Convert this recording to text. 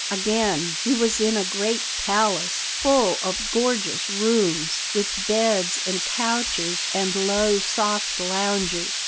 Again: he was in a great palace, full of gorgeous rooms, with beds and couches and low soft lounges.